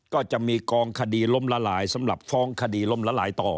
ก็จะมีกองคดีล้มละลายสำหรับฟ้องคดีล้มละลายต่อ